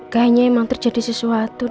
kayaknya emang terjadi sesuatu